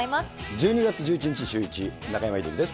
１２月１１日シューイチ、中山秀征です。